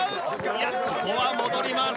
いやここは戻ります。